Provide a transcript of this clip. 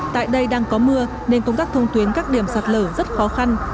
tại đây đang có mưa nên công tác thông tuyến các điểm sạt lở rất khó khăn